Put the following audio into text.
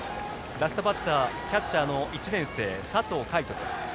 ラストバッター、キャッチャーの１年生、佐藤海斗。